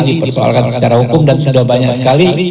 dipersoalkan secara hukum dan sudah banyak sekali